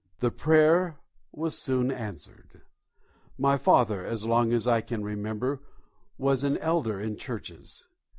The prayer was soon answered. My father, as long as I can remember, was an elder in churches.